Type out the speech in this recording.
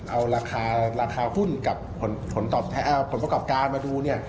เอาราคาราคาหุ้นกับผลประกอบการมาดูเนี่ย